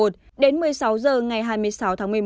đến một mươi sáu h ngày hai mươi sáu tháng một mươi một